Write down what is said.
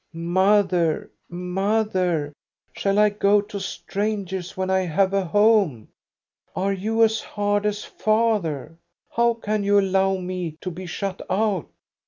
Mother, mother, shall I go to strangers when I have a home? Are you as hard as father? How can you allow me to be shut out?